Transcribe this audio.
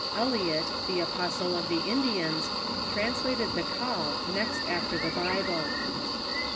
Eliot, the Apostle of the Indians, translated the "Call" next after the Bible.